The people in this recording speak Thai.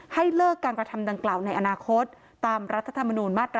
ให้เลิกการกระทำดังกล่าวในอนาคตตามรัฐธรรมนูญมาตรา๑